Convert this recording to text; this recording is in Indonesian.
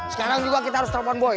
sekarang juga kita harus telepon boy